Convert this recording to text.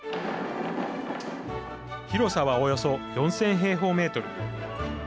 広さはおよそ４０００平方メートル。